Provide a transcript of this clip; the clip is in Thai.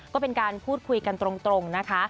ก็เป็นการพูดคุยกันตรงนะคะ